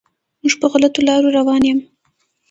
موږ په غلطو لارو روان یم.